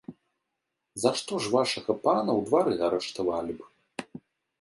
За што ж вашага пана ў двары арыштавалі б?